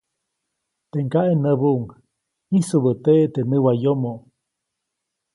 Teʼ ŋgaʼe näbuʼuŋ -ʼĩsubäteʼe teʼ näwayomo-.